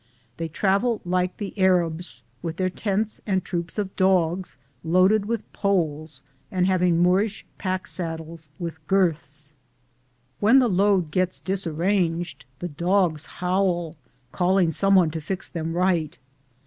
They travel like the Arabs, with their tents and troops of dogs loaded with poles ' and having Moorish pack saddles with girths. When the load gets disarranged, the dogs howl, calling some one to fix them right.